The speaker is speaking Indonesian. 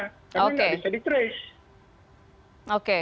karena nggak bisa di trace